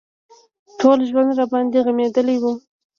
ټول ژوند راباندې غمېدلى و.